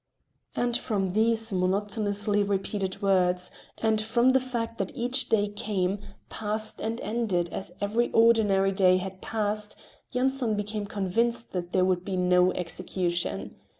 And from these monotonously repeated words, and from the fact that each day came, passed and ended as every ordinary day had passed, Yanson became convinced that there would be no execution.